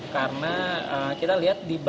karena kita lihat di bawahnya